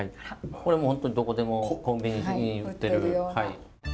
これ本当にどこでもコンビニに売ってる。